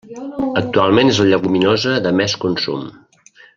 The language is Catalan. Actualment és la lleguminosa de més consum.